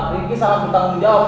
rifki salah bertanggung jawab